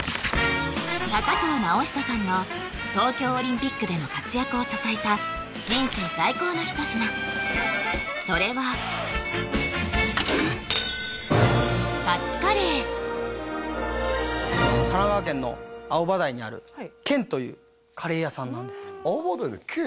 藤直寿さんの東京オリンピックでの活躍を支えた人生最高の一品それは神奈川県の青葉台にある「ＫＥＮ」というカレー屋さんなんです青葉台の「ＫＥＮ」？